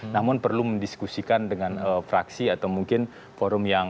namun perlu mendiskusikan dengan fraksi atau mungkin forum yang